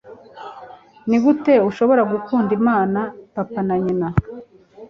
nigute ushobora gukunda imana, papa na nyina